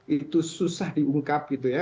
itu susah diungkap gitu ya